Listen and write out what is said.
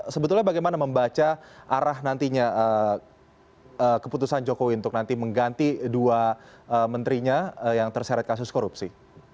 sebetulnya bagaimana membaca arah nantinya keputusan jokowi untuk nanti mengganti dua menterinya yang terseret kasus korupsi